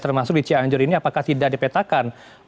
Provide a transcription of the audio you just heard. termasuk di cianjur ini apakah tidak dipetakan